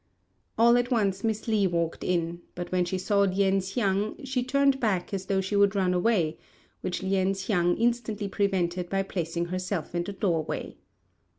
All at once Miss Li walked in, but when she saw Lien hsiang she turned back as though she would run away, which Lien hsiang instantly prevented by placing herself in the doorway.